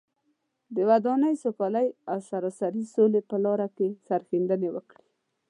د ودانۍ، سوکالۍ او سراسري سولې په لاره کې سرښندنه وکړي.